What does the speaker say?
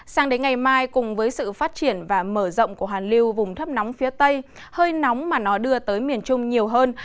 sang đến ngày mai cùng với sự phát triển và mở rộng của hàn liêu vùng thấp nóng phía tây hơi nóng mà nó đưa tới miền trung nhiều hơn